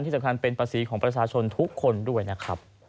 สำคัญเป็นภาษีของประชาชนทุกคนด้วยนะครับ